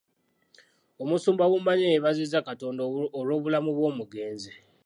Omusumba Bumanye yeebazizza Katonda olw’obulamu bw'omugenzi.